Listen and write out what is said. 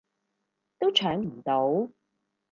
都搶唔到